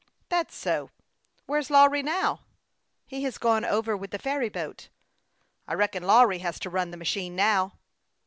" That's so. Where's Lawry now ?"" He has gone over with the ferry boat." " I reckon Lawry has to run the machine now."